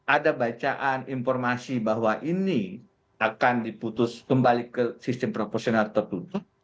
ada bacaan informasi bahwa ini akan diputus kembali ke sistem proporsional tertutup